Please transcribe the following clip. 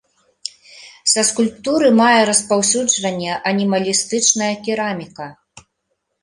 Са скульптуры мае распаўсюджванне анімалістычная кераміка.